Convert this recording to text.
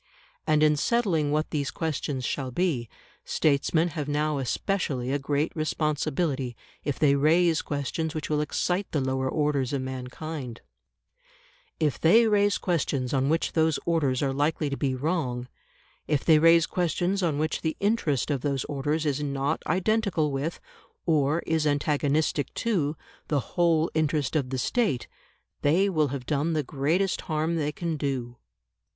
And in settling what these questions shall be, statesmen have now especially a great responsibility if they raise questions which will excite the lower orders of mankind; if they raise questions on which those orders are likely to be wrong; if they raise questions on which the interest of those orders is not identical with, or is antagonistic to, the whole interest of the State, they will have done the greatest harm they can do.